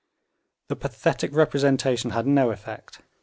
The pathetic representation had no effect.